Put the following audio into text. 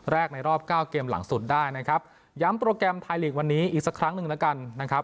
ในรอบเก้าเกมหลังสุดได้นะครับย้ำโปรแกรมไทยลีกวันนี้อีกสักครั้งหนึ่งแล้วกันนะครับ